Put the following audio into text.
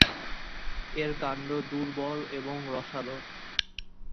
এর কাণ্ড দুর্বল এবং রসালো।